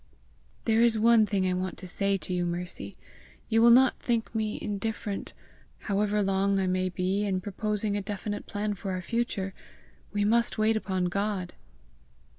"There is one thing I want to say to you, Mercy: you will not think me indifferent however long I may be in proposing a definite plan for our future! We must wait upon God!"